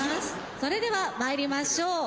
それでは参りましょう。